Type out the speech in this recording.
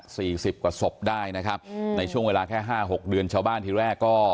สิบกว่าศพได้นะครับอืมในช่วงเวลาแค่ห้าหกเดือนชาวบ้านที่แรกก็